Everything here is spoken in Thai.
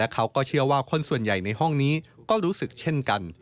เขาก็เชื่อว่าคนส่วนใหญ่ในห้องนี้ก็รู้สึกเช่นกัน